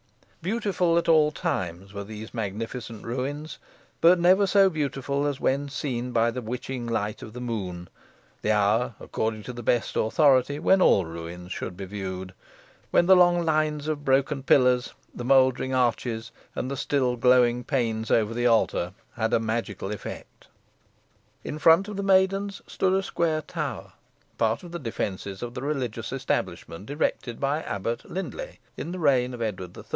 Beautiful at all times were these magnificent ruins; but never so beautiful as when seen by the witching light of the moon the hour, according to the best authority, when all ruins should be viewed when the long lines of broken pillars, the mouldering arches, and the still glowing panes over the altar, had a magical effect. In front of the maidens stood a square tower, part of the defences of the religious establishment, erected by Abbot Lyndelay, in the reign of Edward III.